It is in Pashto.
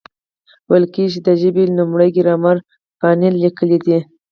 ویل کېږي، چي د ژبي لومړی ګرامر پانني لیکلی دئ.